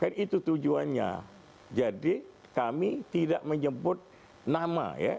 kan itu tujuannya jadi kami tidak menyebut nama ya